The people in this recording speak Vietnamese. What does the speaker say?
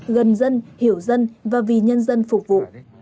gần dân hiểu dân và vì nhân dân phục vụ